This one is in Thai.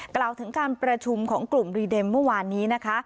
กล่าวถึงการประชุมของกลุ่มรีเดมเมื่อวานนี้นะคะ